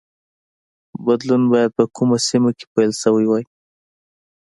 بدلون باید په کومه سیمه کې پیل شوی وای